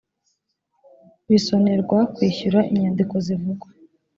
bisonerwa kwishyura inyandiko zivugwa